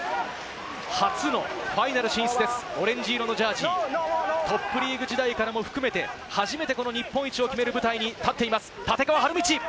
初のファイナル進出です、オレンジ色のジャージー、トップリーグ時代からも含めて、初めてこの日本一を決める舞台に立っています、立川理道。